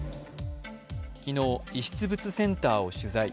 昨日、遺失物センターを取材。